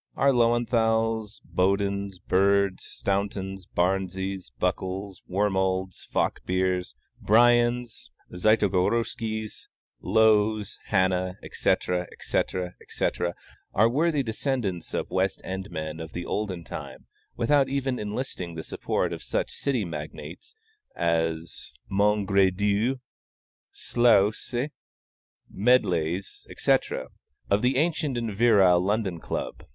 Our Löwenthals, Bodens, Birds, Stauntons, Barneses, Buckles, Wormalds, Falkbeers, Briens, Zytogoroskys, Lowes, Hannahs, etc., etc., etc., are worthy descendants of West End men of the olden time, without even enlisting the support of such city magnates as the Mongredieus, Slouses, Medleys, etc., of the ancient and virile London Club.